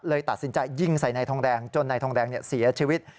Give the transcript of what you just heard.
ตัดสินใจยิงใส่นายทองแดงจนนายทองแดงเสียชีวิต